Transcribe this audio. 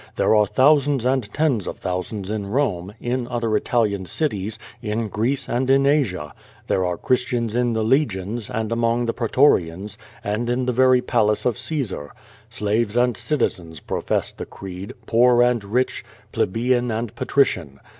"There are thousands and tens of thousands in Rome, in other Italian cities, in Greece and in Asia. There are Christians in the legions and among the pretorians, and in the very palace of Caesar. Slaves and citizens profess the creed, poor and rich, plebeian and patrician.